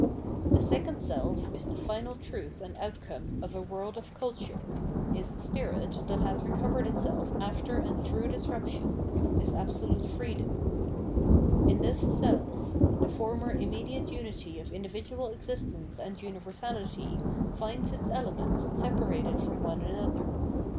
The second self is the final truth and outcome of a world of culture, is spirit that has recovered itself after and through disruption, is absolute freedom. In this self, the former immediate unity of individual exist ence and universality finds its elements separated from one another.